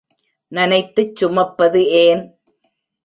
நனைத்துச் சுமப்பது ஏன்?